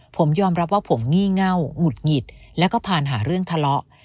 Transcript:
ผมยอมรับว่าผมงี่เง่าหงุดหงิดแล้วก็ผ่านหาเรื่องทะเลาะ